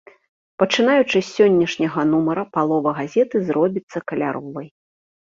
Пачынаючы з сённяшняга нумара палова газеты зробіцца каляровай.